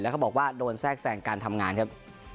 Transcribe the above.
เขาบอกว่าโดนแทรกแสงการทำงานครับ